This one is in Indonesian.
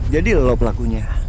jadi lo pelakunya